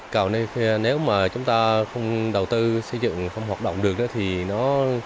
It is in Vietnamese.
cầu nên nếu mà chúng ta không đầu tư xây dựng không hoạt động được thì nó